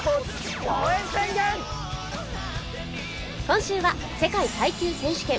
今週は世界耐久選手権。